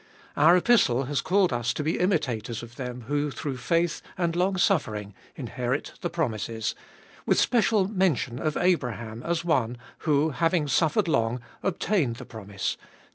Our Epistle has called us to be imitators of them who through faith and longsuffering inherit the promises, with special mention of Abraham as one, who, having suffered long, obtained the promise (vi.